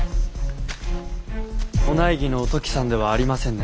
お内儀のおトキさんではありませんね。